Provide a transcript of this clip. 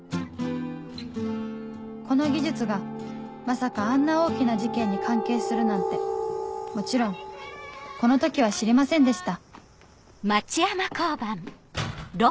この技術がまさかあんな大きな事件に関係するなんてもちろんこの時は知りませんでした